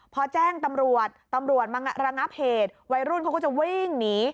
พอแจ้งตำรวจตำรวจมาระงับเหตุวัยรุ่นเขาก็จะวิ่งหนี